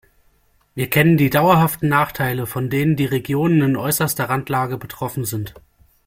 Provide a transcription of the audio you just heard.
Wir kennen die dauerhaften Nachteile, von denen die Regionen in äußerster Randlage betroffen sind.